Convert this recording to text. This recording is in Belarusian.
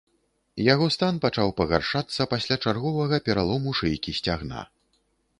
Яго стан пачаў пагаршацца пасля чарговага пералому шыйкі сцягна.